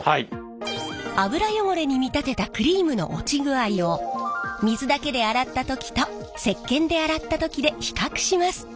油汚れに見立てたクリームの落ち具合を水だけで洗った時と石けんで洗った時で比較します。